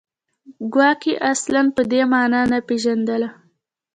ګواکې اصلاً په دې معنا نه پېژندله